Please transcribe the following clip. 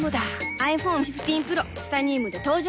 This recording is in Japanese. ｉＰｈｏｎｅ１５Ｐｒｏ チタニウムで登場